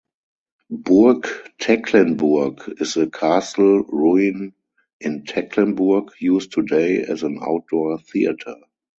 Burg Tecklenburg is a castle ruin in Tecklenburg, used today as an outdoor theatre.